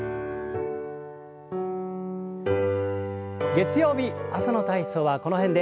月曜日朝の体操はこの辺で。